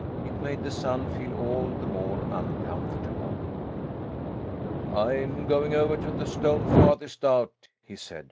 It made the son feel all the more uncomfortable. "I'm going over to the stone farthest out," he said.